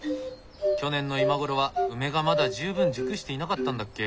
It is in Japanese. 去年の今頃は梅がまだ十分熟していなかったんだっけ。